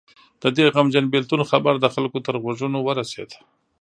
د دې غمجن بېلتون خبر د خلکو تر غوږونو ورسېد.